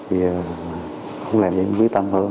bây giờ không làm gì cũng quy tâm hơn